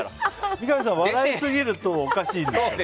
三上さん、笑いすぎるとおかしいんですよ。